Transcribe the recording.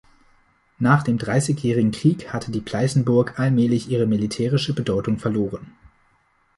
Nach dem Dreißigjährigen Krieg hatte die Pleißenburg allmählich ihre militärische Bedeutung verloren.